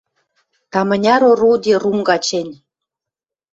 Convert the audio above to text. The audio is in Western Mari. Таманяр орудий рунга чӹнь.